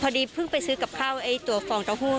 อ๋อพอดีเพิ่งไปซื้อกับข้าวตัวฟองเต้าหู้